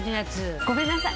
ごめんなさい。